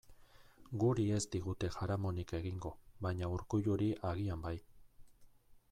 Guri ez digute jaramonik egingo, baina Urkulluri agian bai.